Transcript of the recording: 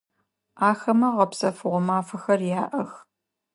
Ахэмэ гъэпсэфыгъо мафэхэр яӏэх.